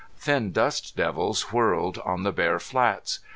Thin dust devils whirled on the bare flats.